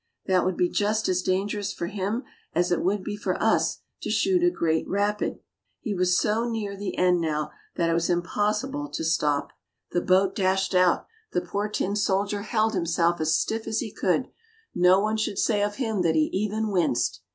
That would be just as dangerous for him as it would be for us to shoot a great rapid. He was so near the end now that it was impossible to stop. 96 ANDERSEN'S FAIRY TALES The boat dashed out ; the poor tin soldier held himself as stiff as he could; no one should say of him that he even winced.